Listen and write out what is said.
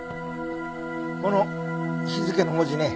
この日付の文字ね